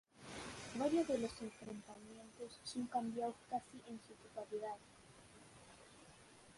Varios de los enfrentamientos son cambiados casi en su totalidad.